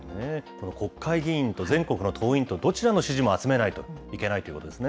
国会議員と全国の党員と、どちらの支持も集めないといけないということですね。